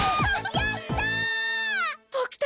やった！